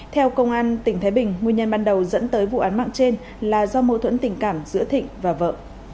theo công an tỉnh thái bình nguyên nhân ban đầu dẫn tới vụ án mạng trên là do mâu thuẫn tình cảm giữa thịnh và vợ